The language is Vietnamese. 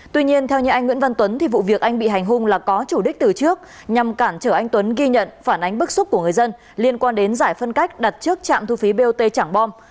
tuy nhiên theo như anh nguyễn văn tuấn thì vụ việc anh bị hành hung là có chủ đích từ trước nhằm cản trở anh tuấn ghi nhận phản ánh bức xúc của người dân liên quan đến giải phân cách đặt trước trạm thu phí bot trảng bom